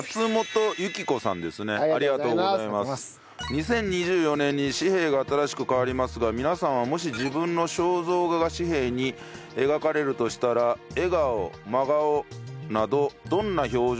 「２０２４年に紙幣が新しく変わりますが皆さんはもし自分の肖像画が紙幣に描かれるとしたら笑顔真顔などどんな表情やポーズにしたいですか？」